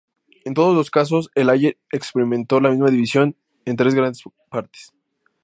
En todos los casos, el "ager" experimentó la misma división en tres grandes partes.